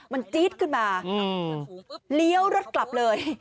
มันจี๊ดขึ้นมาเลี้ยวรถกลับเลย